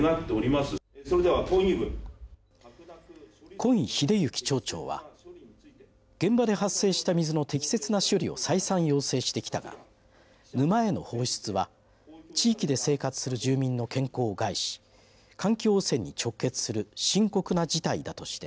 金秀行町長は現場で発生した水の適切な処理を再三要請してきたが沼への放出は地域で生活する住民の健康を害し環境汚染に直結する深刻な事態だとして